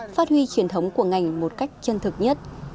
phát huy truyền thống của ngành một cách chân thực nhất